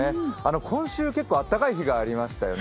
今週結構あったかい日がありましたよね。